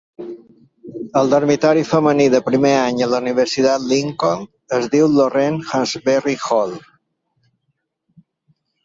El dormitori femení de primer any a la Universitat Lincoln es diu Lorraine Hansberry Hall.